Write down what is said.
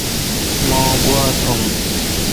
مہ گوا تھوم۔